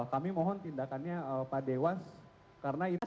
kami mohon tindakannya pak dewas